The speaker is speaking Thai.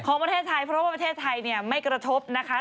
ของประเทศไทยเพราะว่าประเทศไทยเนี่ยไม่กระทบนะคะ